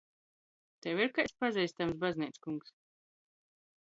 Tev ir kaids pazeistams bazneickungs?